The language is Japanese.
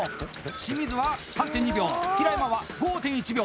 清水は３．２秒平山は５．１秒！